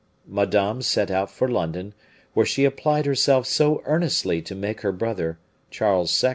Madame set out for London, where she applied herself so earnestly to make her brother, Charles II.